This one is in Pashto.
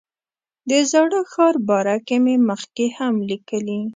د زاړه ښار باره کې مې مخکې هم لیکلي.